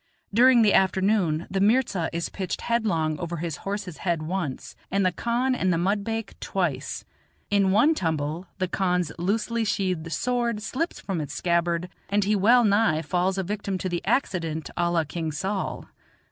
During the afternoon the mirza is pitched headlong over his horse's head once, and the khan and the mudbake twice. In one tumble the khan's loosely sheathed sword slips from its scabbard, and he well nigh falls a victim to the accident a la King Saul.